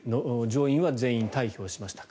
乗員は全員退避をしました。